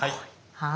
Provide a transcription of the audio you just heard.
はい。